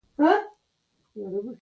د الف لیله افسانې د منلو وړ نه دي.